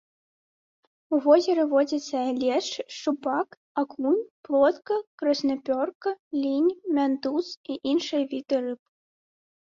У возеры водзяцца лешч, шчупак, акунь, плотка, краснапёрка, лінь, мянтуз і іншыя віды рыб.